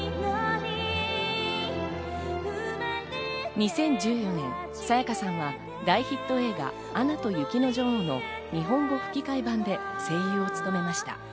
２０１４年、沙也加さんは大ヒット映画『アナと雪の女王』の日本語吹替版で声優を務めました。